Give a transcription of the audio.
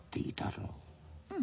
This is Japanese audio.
うん。